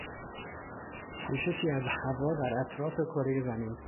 پوششی از هوا در اطراف کره زمین